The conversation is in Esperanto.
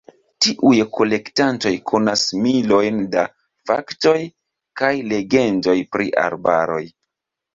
Tiuj kolektantoj konas milojn da faktoj kaj legendoj pri arbaroj.